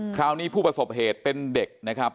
คราวนี้ผู้ประสบเหตุเป็นเด็กนะครับ